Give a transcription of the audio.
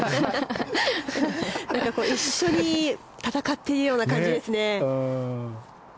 一緒に戦ってるような感じですね。